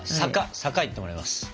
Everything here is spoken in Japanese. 坂行ってもらいます。